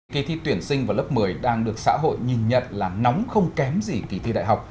kỳ thi tuyển sinh vào lớp một mươi đang được xã hội nhìn nhận là nóng không kém gì kỳ thi đại học